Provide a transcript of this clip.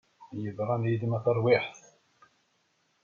I yeḍran yid-m a tarwiḥt!